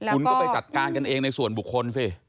คุณก็ไปจัดการกันเองในส่วนบุคคลสิ